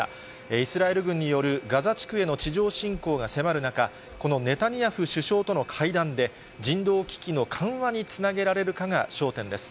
イスラエル軍によるガザ地区への地上侵攻が迫る中、このネタニヤフ首相との会談で人道危機の緩和につなげられるかが焦点です。